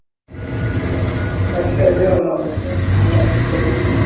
niko eneo laa la muthurwa